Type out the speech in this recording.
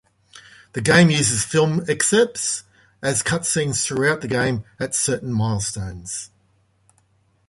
The game uses film excerpts as cut scenes throughout the game at certain milestones.